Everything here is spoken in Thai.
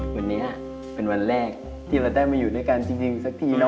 วันนี้เป็นวันแรกที่เราได้มาอยู่ด้วยกันจริงสักทีเนอ